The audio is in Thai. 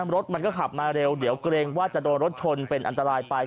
รถมันก็ขับมาเร็วเดี๋ยวเกรงว่าจะโดนรถชนเป็นอันตรายไป